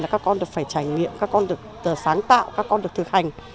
các con được phải trải nghiệm các con được sáng tạo các con được thực hành